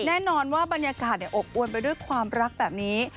แน่นอนว่าบรรยากาศอบอวนไปด้วยความรักแบบนี้